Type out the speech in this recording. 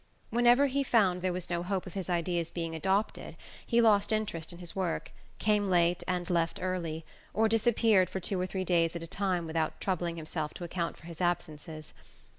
Whenever he found there was no hope of his ideas being adopted he lost interest in his work, came late and left early, or disappeared for two or three days at a time without troubling himself to account for his absences.